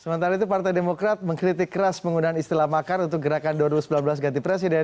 sementara itu partai demokrat mengkritik keras penggunaan istilah makar untuk gerakan dua ribu sembilan belas ganti presiden